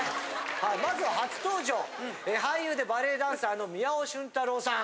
まずは初登場俳優でバレエダンサーの宮尾俊太郎さん。